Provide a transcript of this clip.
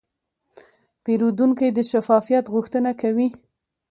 پیرودونکی د شفافیت غوښتنه کوي.